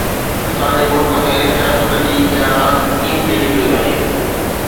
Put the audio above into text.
اسان جي ملڪ ۾ سياست جي اها راند ڪيئن کيڏي پئي وڃي؟